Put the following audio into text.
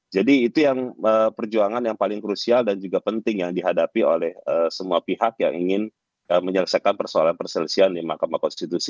jadi itu yang perjuangan yang paling krusial dan juga penting yang dihadapi oleh semua pihak yang ingin menyelesaikan persoalan perselesiaan di mk